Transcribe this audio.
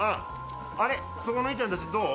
あれ、そこの兄ちゃんたちどう？